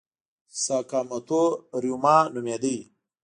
ساکاموتو ریوما نومېده.